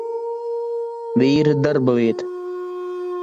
Vīra darbavieta.